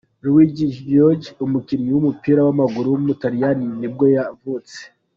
Luigi Giorgi, umukinnyi w’umupira w’amaguru w’umutaliyani nibwo yavutse.